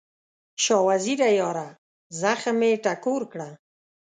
شاه وزیره یاره، زخم مې ټکور کړه